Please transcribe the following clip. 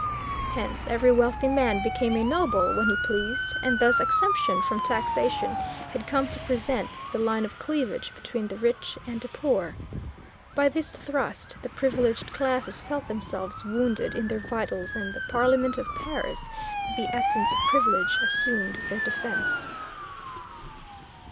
Hence every wealthy man became a noble when he pleased, and thus exemption from taxation had come to present the line of cleavage between the rich and poor. By this thrust the privileged classes felt themselves wounded in their vitals, and the Parliament of Paris, the essence of privilege, assumed their defence.